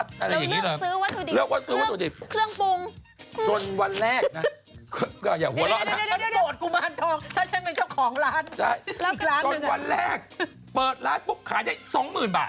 จนวันแรกเปิดร้านปุ๊บขายได้๒๐๐๐บาท